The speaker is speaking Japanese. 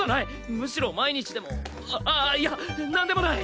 むしろ毎日でもああっいやなんでもない。